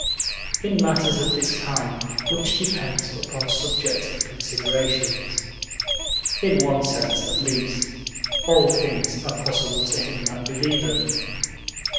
In matters of this kind, much depends upon subjective considerations; in one sense, at least, "all things are possible to him that believeth."